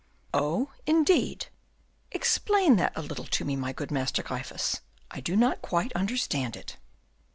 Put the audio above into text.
"Oh, indeed! explain that a little to me, my good Master Gryphus. I do not quite understand it."